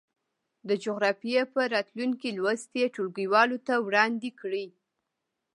د جغرافيې په راتلونکي لوست یې ټولګیوالو ته وړاندې کړئ.